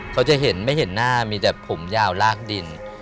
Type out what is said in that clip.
เขาจะเห็นไม่เห็นหน้ามีแต่ผมยาวลากดิน